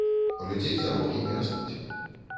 У людзей заробкі не растуць.